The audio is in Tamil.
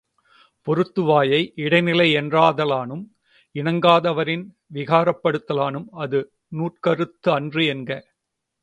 பொருத்து வாயை இடைநிலை யென்றோதலானும், இணங்காதனவரின் விகாரப்படுதலானும், அது நூற்கருத்தன் றென்க!!